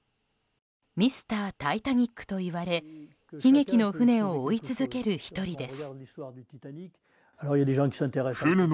ミスタータイタニックといわれ悲劇の船を追い続ける１人です。